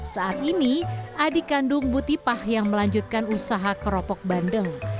saat ini adik kandung butipah yang melanjutkan usaha keropok bandeng